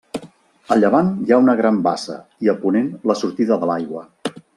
A llevant hi ha una gran bassa i a ponent la sortida de l'aigua.